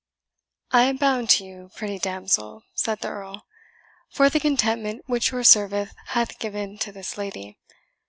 "I am bound to you, pretty damsel," said the Earl, "for the contentment which your service hath given to this lady."